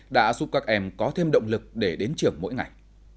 đã giúp các em có thêm động lực để đến trường mỗi ngày